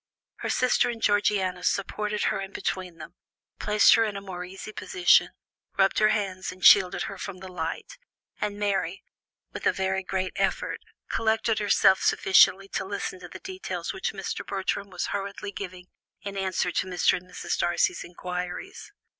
Her sister and Georgiana supported her in between them, placed her in a more easy position, rubbed her hands and shielded her from the light; and Mary, with a very great effort, collected herself sufficiently to listen to the details which Mr. Bertram was hurriedly giving in answer to Mr. and Mrs. Darcy's inquiries.